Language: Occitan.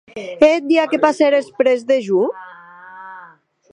E deth dia que passéretz près de jo?